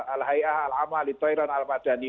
al hayah al amal al tairan al madani